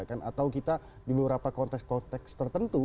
atau kita di beberapa konteks konteks tertentu